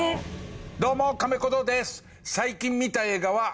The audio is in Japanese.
どうもカメ小僧です。